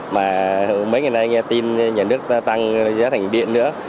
mà mấy ngày nay nghe tin nhà nước ta tăng giá thành điện nữa